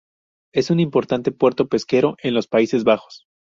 Es un importante puerto pesquero en los Países Bajos.